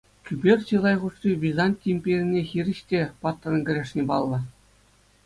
Кӳпер чылай хушӑ Византи империне хирӗҫ те паттӑррӑн кӗрешни паллӑ.